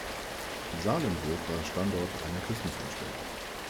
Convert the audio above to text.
Sahlenburg war Standort einer Küstenfunkstelle.